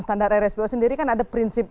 standar rspo sendiri kan ada prinsip